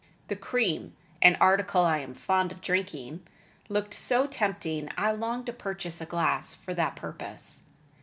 The cream, an article I am fond of drinking, looked so tempting I longed to purchase a glass for that purpose.